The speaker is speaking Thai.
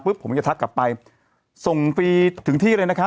ผมจะทักกลับไปส่งฟรีถึงที่เลยนะคะ